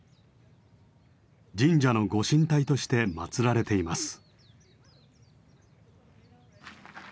神社の御神体として祀られています。